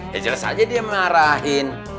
ya jelas aja dia marahin